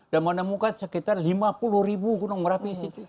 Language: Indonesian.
dan menemukan sekitar lima puluh ribu gunung rapi di situ